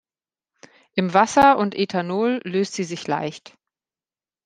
In Wasser und Ethanol löst sie sich leicht.